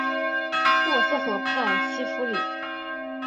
默斯河畔西夫里。